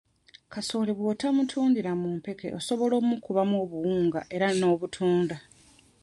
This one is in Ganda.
Kasooli bw'otamutundira mu mpeke osobola okumukubamu obuwunga era n'obutunda.